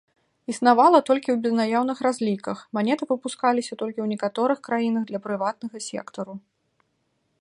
Існавала толькі ў безнаяўных разліках, манеты выпускаліся толькі ў некаторых краінах для прыватнага сектару.